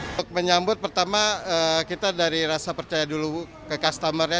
untuk menyambut pertama kita dari rasa percaya dulu ke customer nya